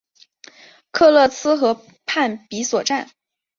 克勒兹河畔比索站。